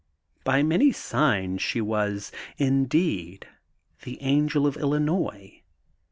By many signs she was, indeed, the angel of Illinois.